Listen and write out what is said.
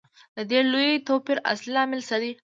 د دې لوی توپیر اصلي لامل څه دی